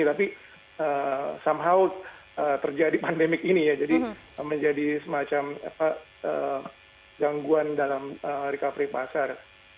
tapi somehow terjadi pandemik ini ya jadi menjadi semacam gangguan dalam recovery pasar